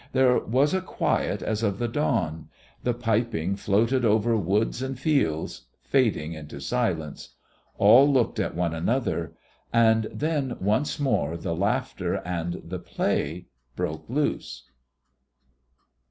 There was a quiet as of the dawn. The piping floated over woods and fields, fading into silence. All looked at one another.... And then once more the laughter and the play broke loose.